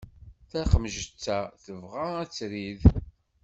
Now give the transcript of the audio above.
Taqemǧet-a tebɣa ad trid.